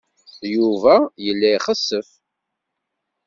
Yuba yella ixessef.